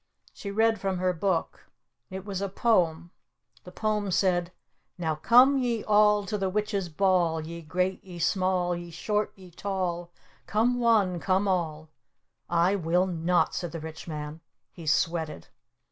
She read from her book. It was a poem. The poem said: Now come ye all to the Witch's Ball, Ye Great, ye Small, Ye Short, ye Tall, Come one, Come all! "I will not!" said the Rich Man. He sweated.